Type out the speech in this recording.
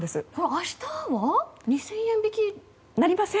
明日は２０００円引き？なりません！